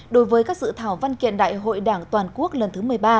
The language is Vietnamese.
đối với các dự thảo văn kiện đại hội đảng toàn quốc lần thứ một mươi ba